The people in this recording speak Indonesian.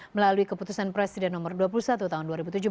melalui keputusan presiden nomor dua puluh satu tahun dua ribu tujuh belas